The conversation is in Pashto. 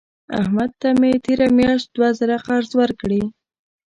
احمد ته مې تېره میاشت دوه زره قرض ورکړې.